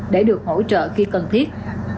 để được hỗ trợ khi cần thiết